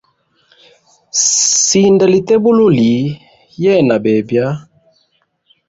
Sinda lite bululi yena bebya.